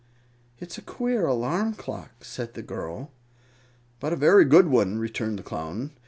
"It's a queer alarm clock," said the girl. "But a very good one," returned the Clown.